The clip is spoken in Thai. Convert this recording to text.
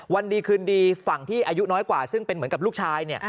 วันดีคืนดีฝั่งที่อายุน้อยกว่าซึ่งเป็นเหมือนกับลูกชายเนี่ย